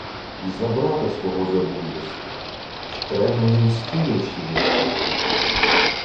— Й за брата свого забув єси, й кревної мсти не чиниш мені...